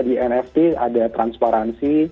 di nft ada transparansi